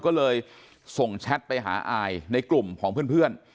ก็เลยส่งแชทไปหาอายในกลุ่มของเพื่อน